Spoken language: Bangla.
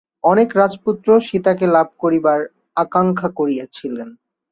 অনেক রাজপুত্র সীতাকে লাভ করিবার আকাঙ্ক্ষা করিয়াছিলেন।